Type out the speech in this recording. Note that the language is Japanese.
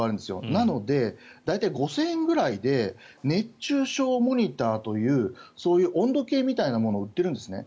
なので大体、５０００円ぐらいで熱中症モニターというそういう温度計みたいなものを売ってるんですね。